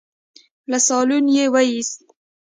له سالونه يې وايست.